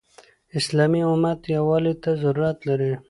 اسلامي امت يووالي ته ضرورت لري.